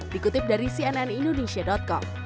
dikutip dari cnn indonesia com